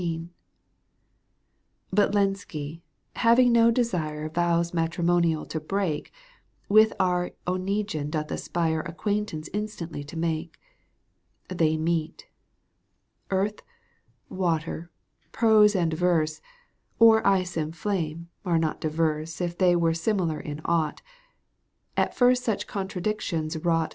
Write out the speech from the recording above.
But Lenski, having no desire Vows matrimonial to break, With our Oneguine doth aspire Acquaintance instantly to make. They met. Earth, water, prose and verse, Or ice and flame, are not diverse If they were similar in aught. At first such contradictions wrought